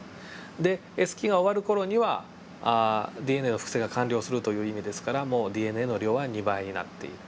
でＳ期が終わる頃にはＤＮＡの複製が完了するという意味ですからもうＤＮＡの量は２倍になっている。